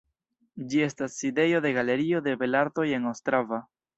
Ĝi estas sidejo de Galerio de belartoj en Ostrava.